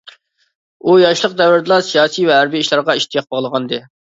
ئۇ ياشلىق دەۋرىدىلا سىياسىي ۋە ھەربىي ئىشلارغا ئىشتىياق باغلىغانىدى.